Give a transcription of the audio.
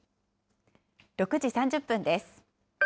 ６時３０分です。